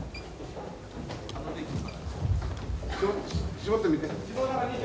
絞ってみて。